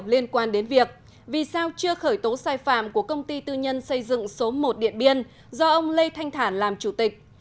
liên quan đến việc vì sao chưa khởi tố sai phạm của công ty tư nhân xây dựng số một điện biên do ông lê thanh thản làm chủ tịch